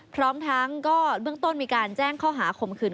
พร้อมทั้งก็เบื้องต้นมีการแจ้งข้อหาข่มขืน